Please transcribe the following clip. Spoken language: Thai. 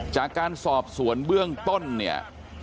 จากการสอบสวนเบื้องต้นเนี่ย